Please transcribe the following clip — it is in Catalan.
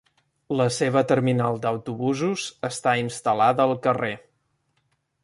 La seva terminal d'autobusos està instal·lada al carrer.